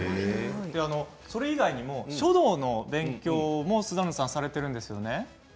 それ以外にも書道の勉強もスザンヌさんされているんですよね。